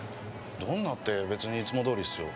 どんなって別にいつもどおりですよ。